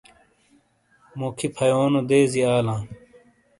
موکھی فھیونو دیزی آلا